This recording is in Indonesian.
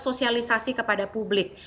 sosialisasi kepada publik